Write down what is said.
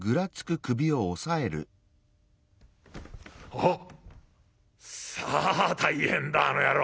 「あっさあ大変だあの野郎！